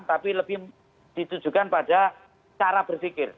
tapi lebih ditujukan pada cara berpikir